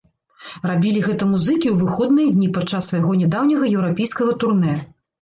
Рабілі гэта музыкі ў выходныя дні падчас свайго нядаўняга еўрапейскага турнэ.